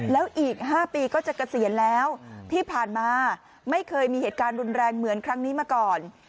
แล้วอีก๕ปีก็จะเกษียณแล้วที่ผ่านมาไม่เคยมีเหตุการณ์รุนแรงเหมือนครั้งนี้มาก่อน